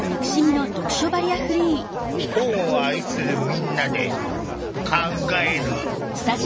本を愛するみんなで考える。